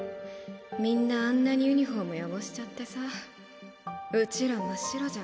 みんなあんなにユニフォーム汚しちゃってさうちら真っ白じゃん。